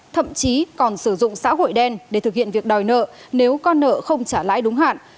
thậm chí còn sử dụng xã hội đen để thực hiện việc đòi nợ nếu con nợ không trả lãi đúng hạn